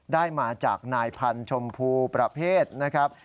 ได้มาจากนายพันธุ์ชมพูประเภทนะครับ